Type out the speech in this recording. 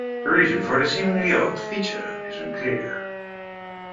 The reason for this seemingly odd "feature" is unclear.